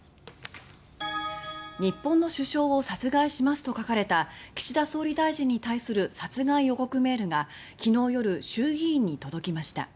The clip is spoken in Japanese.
「日本の首相を殺害します！」と書かれた岸田総理大臣に対する殺害予告メールが昨日夜、衆議院に届きました。